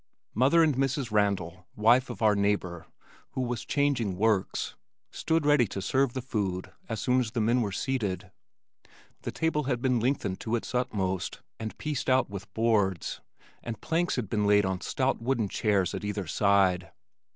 Mother and Mrs. Randal, wife of our neighbor, who was "changing works," stood ready to serve the food as soon as the men were seated. The table had been lengthened to its utmost and pieced out with boards, and planks had been laid on stout wooden chairs at either side.